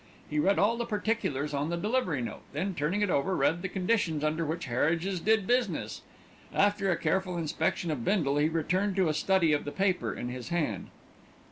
He read all the particulars on the delivery note, then turning it over, read the conditions under which Harridge's did business. After a careful inspection of Bindle, he returned to a study of the paper in his hand.